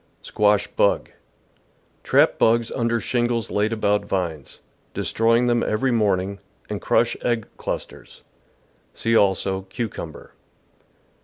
Squash Bug. — Trap bugs under shingles laid about vines, destroying them every morning, and crush egg clusters. See, also. Cucumber.